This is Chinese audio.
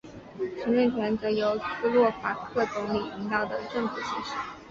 行政权则由斯洛伐克总理领导的政府行使。